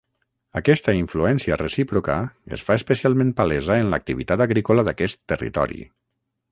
Aquesta influència recíproca es fa especialment palesa en l’activitat agrícola d’aquest territori.